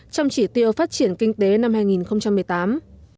trong chỉ tiêu phát triển kinh tế năm hai nghìn một mươi tám